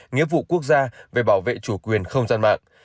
nghĩa vụ quốc gia về bảo vệ chủ quyền không gian mạng